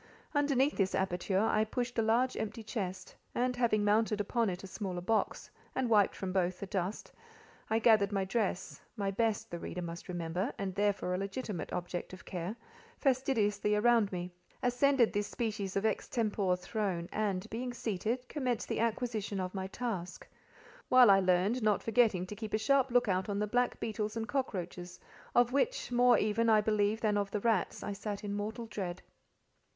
Underneath this aperture I pushed a large empty chest, and having mounted upon it a smaller box, and wiped from both the dust, I gathered my dress (my best, the reader must remember, and therefore a legitimate object of care) fastidiously around me, ascended this species of extempore throne, and being seated, commenced the acquisition of my task; while I learned, not forgetting to keep a sharp look out on the black beetles and cockroaches, of which, more even, I believe, than of the rats, I sat in mortal dread.